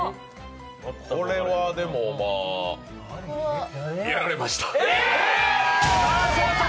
これはでもまあやられました。